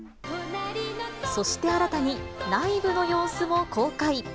そして新たに、内部の様子も公開。